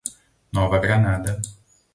Nova Granada